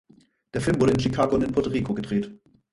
Der Film wurde in Chicago und in Puerto Rico gedreht.